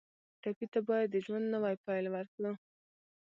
ټپي ته باید د ژوند نوی پیل ورکړو.